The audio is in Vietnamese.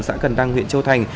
xã cần tăng huyện châu thành